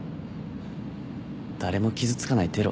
誰も傷つかないテロ？